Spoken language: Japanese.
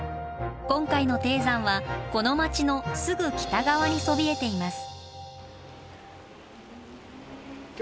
今回の低山はこの町のすぐ北側にそびえています。